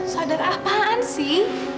sadar apaan sih